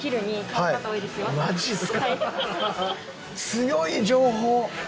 強い情報！